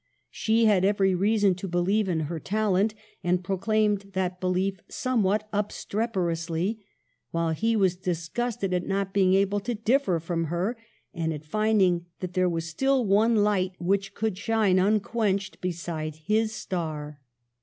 She had every reason to believe in her talent, and proclaimed that belief somewhat obstreperously ; while he was disgust ed at not being able to differ from her, and at finding that there was still one light which could shine unquenched beside his star.